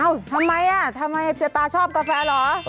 อะทำไมตาชอบกาแฟ